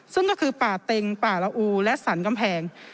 ซึ่งก็คือป่าเต็งป่าละอูและสรรกำแพง